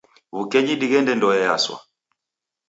W'ukenyi dighende ndoe yaswa.